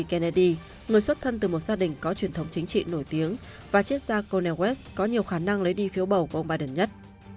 kennedy người xuất thân từ một gia đình có truyền thống chính trị nổi tiếng và chiếc xa cornel west có nhiều khả năng lấy đi phiếu bầu của ông biden nhất